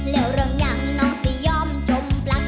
แล้วเรื่องอย่างน้องสิยอมจมปลั๊ก